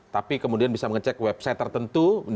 tapi kemudian bisa mengecek website tertentu